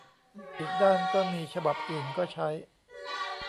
อีกด้านก็มี ฉบับอื่นก็ใช้